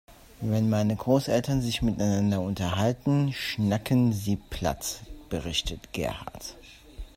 Wenn meine Großeltern sich miteinander unterhalten, schnacken sie platt, berichtet Gerhard.